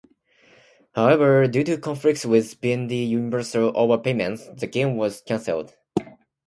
However, due to conflicts with Vivendi Universal over payments, the game was canceled.